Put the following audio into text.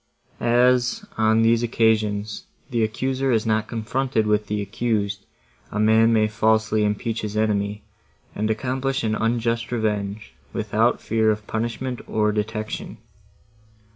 As, on these occasions, the accuser is not confronted with the accused, a man may falsely impeach his enemy, and accomplish an unjust revenge, without fear of punishment, or detection.